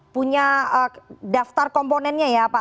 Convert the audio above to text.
punya daftar komponennya ya pak